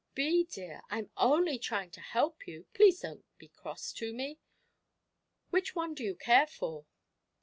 "Bee, dear, I'm only trying to help you please don't be cross to me. Which one do you care for?"